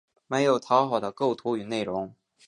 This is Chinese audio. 没有讨好的构图与内容